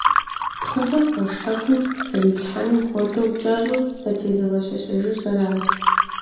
Пхъэхэр, пэшхьэкум зэриплъхьэнум хуэдэу, кӀэщӀу зэтезыгъэщэщэжыр сэрат.